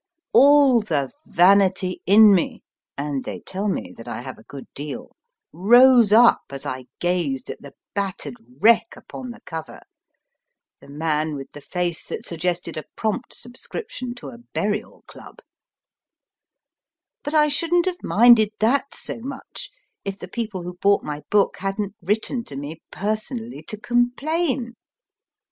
All the vanity in me (and they tell me that I have a good deal) rose up as I gazed at the battered wreck upon the cover Priw SIXPENCE. S.J. SPRANCIS&CO., WJXE OFFICE COURT, E.C. 8o MY FIRST BOOK the man with the face that suggested a prompt subscription to a burial club. But I shouldn t have minded that so much if the people who bought my book hadn t written to me personally to complain.